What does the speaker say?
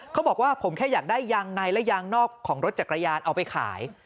เขาบอกว่าผมแค่อยากได้ยางในและยางนอกของรถจักรยานเอาไปขาย